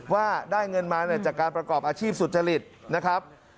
ว่าได้เงินมาจากการประกอบอาชีพสุจริตนะครับ